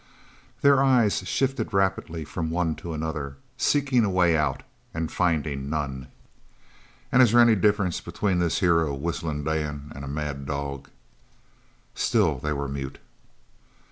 Their eyes shifted rapidly from one to another, seeking a way out, and finding none. "An' is there any difference between this hero Whistlin' Dan an' a mad dog?" Still they were mute.